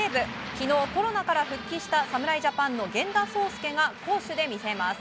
昨日コロナから復帰した侍ジャパンの源田壮亮が攻守で魅せます。